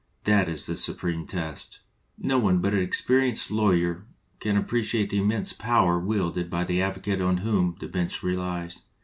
That is the supreme test." No one but an experienced lawyer can appre ciate the immense power wielded by the advocate on whom the bench relies.